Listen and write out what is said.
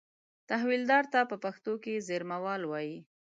تحویلدار ته په پښتو کې زېرمهوال وایي.